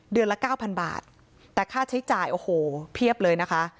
ละเก้าพันบาทแต่ค่าใช้จ่ายโอ้โหเพียบเลยนะคะ